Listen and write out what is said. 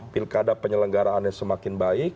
pilkada penyelenggaraannya semakin baik